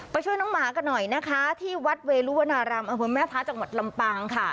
ไปช่วยน้องหมากันหน่อยนะคะที่วัดเวลุวนารมณ์แม่พระจังหวัดลำปางค่ะ